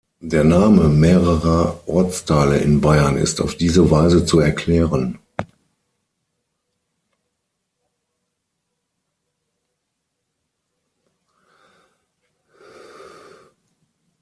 Der Name mehrerer Ortsteile in Bayern ist auf diese Weise zu erklären.